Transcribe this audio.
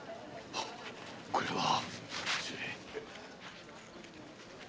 あこれは。